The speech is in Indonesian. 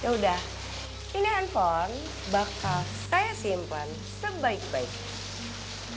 ya udah ini handphone bakal saya simpan sebaik baiknya